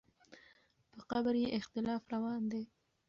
په قبر یې اختلاف روان دی.